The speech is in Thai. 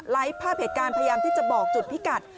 ภาพเหตุการณ์พยายามที่จะบอกจุดพิกัด